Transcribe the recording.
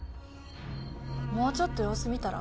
もうちょっと様子見たら？